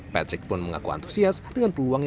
patrick pun mengaku antusias dengan peluangnya